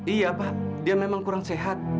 iya pak dia memang kurang sehat